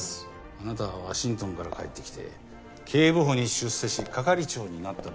あなたはワシントンから帰ってきて警部補に出世し係長になったばかり。